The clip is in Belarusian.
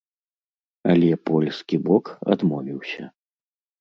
Але польскі бок адмовіўся.